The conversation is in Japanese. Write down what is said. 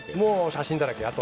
写真だらけ。